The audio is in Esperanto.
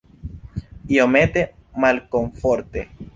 Iomete malkomforte.